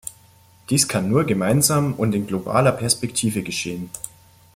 Dies kann nur gemeinsam und in globaler Perspektive geschehen.